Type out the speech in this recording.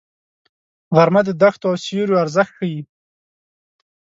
غرمه د دښتو او سیوریو ارزښت ښيي